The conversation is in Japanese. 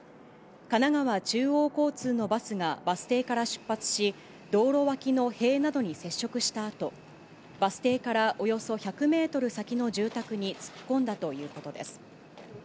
神奈川中央交通のバスがバス停から出発し、道路脇の塀などに接触したあと、バス停からおよそ１００メートル先の住宅に突っ込んだということです。